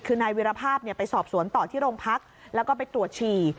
คือนายวิรภาพไปสอบสวนต่อที่โรงพักแล้วก็ไปตรวจฉี่